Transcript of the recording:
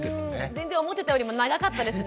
全然思ってたよりも長かったですね。